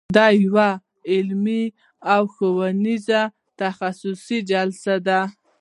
دا یوه علمي او ښوونیزه تخصصي جلسه ده.